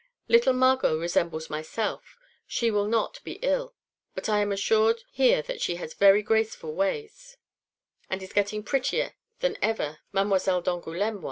Little Margot resembles myself; she will not be ill; but I am assured here that she has very graceful ways, and is getting prettier than ever Mademoiselle d'Angoulême (1) was."